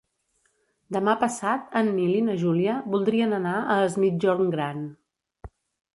Demà passat en Nil i na Júlia voldrien anar a Es Migjorn Gran.